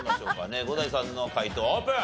伍代さんの解答オープン。